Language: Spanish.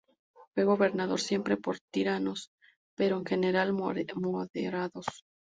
Fue gobernada siempre por tiranos, pero en general moderados.